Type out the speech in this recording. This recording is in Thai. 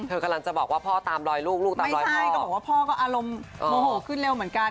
เธอกำลังจะบอกว่าพ่อตามรอยลูกลูกตามรอยให้ก็บอกว่าพ่อก็อารมณ์โมโหขึ้นเร็วเหมือนกัน